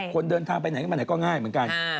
คนเดินทางไปไหนก็มาไหนก็ง่ายเหมือนกัน